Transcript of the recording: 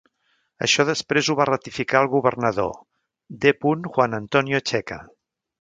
Això després ho va ratificar el governador, D. Juan Antonio Checa.